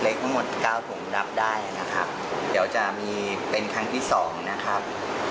เล็กมาหมด๙ถุงรับได้นะครับเดี๋ยวจะมีเป็นครั้งที่๒นะครับ